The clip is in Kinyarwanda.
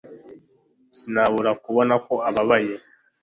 sinabura kubona ko ubabaye